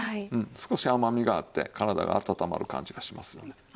少し甘みがあって体が温まる感じがしますよね。